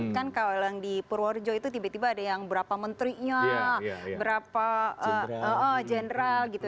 kan kalau yang di purworejo itu tiba tiba ada yang berapa menterinya berapa general gitu